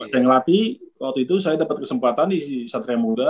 pas saya ngelatih waktu itu saya dapet kesempatan di satria muda